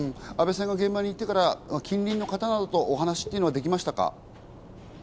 阿部さんが現場に行ってから近隣の方とお話はできましたか？